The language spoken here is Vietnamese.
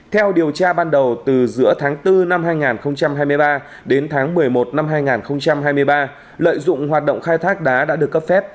theo điều tra ban đầu từ giữa tháng bốn năm hai nghìn hai mươi ba đến tháng một mươi một năm hai nghìn hai mươi ba lợi dụng hoạt động khai thác đá đã được cấp phép